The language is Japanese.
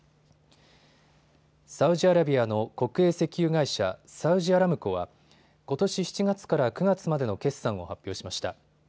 サウジアラビアの国営石油会社、サウジアラムコはことし７月から９月までの決算を発表しました。